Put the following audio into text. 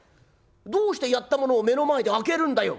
どうしてやったものを目の前で開けるんだよ」。